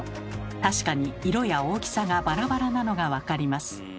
確かに色や大きさがバラバラなのが分かります。